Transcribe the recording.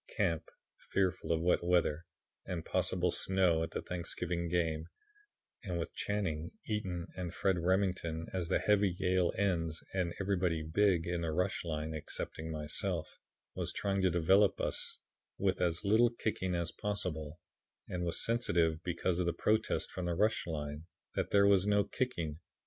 Camp, fearful of wet weather and possible snow at the Thanksgiving game, and with Channing, Eaton and Fred Remington as the heavy Yale ends and everybody 'big' in the rush line excepting myself, was trying to develop us with as little kicking as possible, and was sensitive because of the protests from the rush line that there was no kicking.